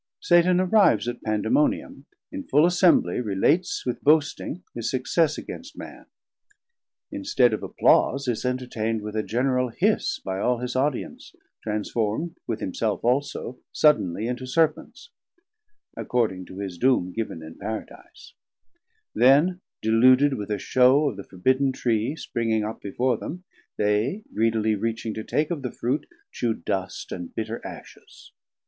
Satan arrives at Pandemonium, in full assembly relates with boasting his success against Man; instead of applause is entertained with a general hiss by all his audience, transform'd with himself also suddenly into Serpents, according to his doom giv'n in Paradise; then deluded with a shew of the forbidden Tree springing up before them, they greedily reaching to take of the Fruit, chew dust and bitter ashes.